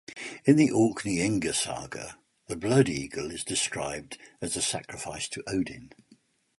In the Orkneyinga saga, the blood eagle is described as a sacrifice to Odin.